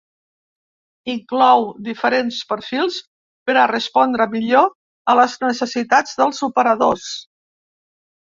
Inclou diferents perfils per a respondre millor a les necessitats dels operadors.